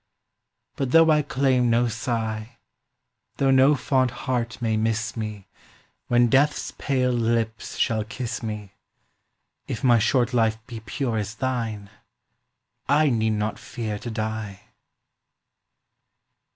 But though I claim no sigh, Though no fond heart may miss me When death’s pale lips shall kiss me, If my short life be pure as thine, I need not fear to die.